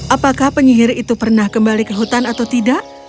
apakah penyihir itu pernah kembali ke hutan atau tidak